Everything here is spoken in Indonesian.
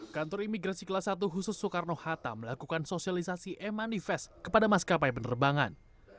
kantor imigrasi kelas satu khusus soekarno hatta melakukan sosialisasi e manifest kepada maskapai penerbangan